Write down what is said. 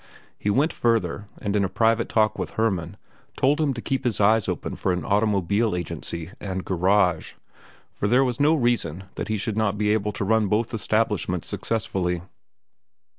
He went further, and in a private talk with Hermann told him to keep his eyes open for an automobile agency and garage, for there was no reason that he should not be able to run both establishments successfully.